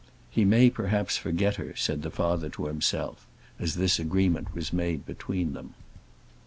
"He may perhaps forget her," said the father to himself, as this agreement was made between them.